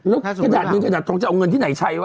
แล้วกระดาษเงินกระดาษทองจะเอาเงินที่ไหนใช้วะ